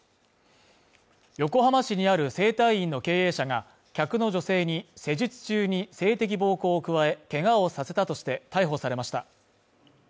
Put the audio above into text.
横浜市にある整体院の経営者が客の女性に施術中に性的暴行を加えけがをさせたとして逮捕されました。